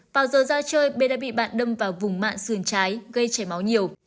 vào giờ ra chơi bê đã bị bạn đâm vào vùng mạng sườn trái gây chảy máu nhiều